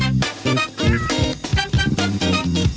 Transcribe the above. คุณธรรมนัฐลงไปแบบว่าดูการ